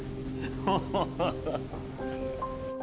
ハハハハハ